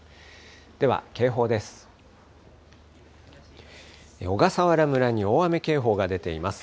では、警報です。